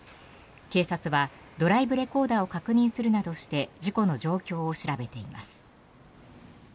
警察はドライブレコーダーを確認するなどして事故の状況を調べています。